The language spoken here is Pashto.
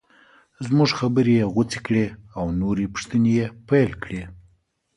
زموږ خبرې یې غوڅې کړې او نورې پوښتنې یې پیل کړې.